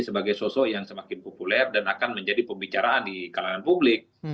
sebagai sosok yang semakin populer dan akan menjadi pembicaraan di kalangan publik